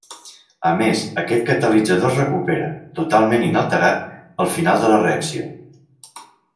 A més, aquest catalitzador es recupera, totalment inalterat, al final de la reacció.